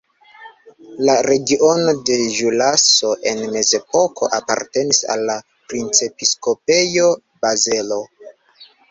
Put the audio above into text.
La regiono de Ĵuraso en mezepoko apartenis al la Princepiskopejo Bazelo.